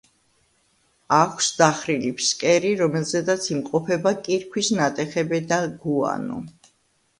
აქვს დახრილი ფსკერი, რომელზედაც იმყოფება კირქვის ნატეხები და გუანო.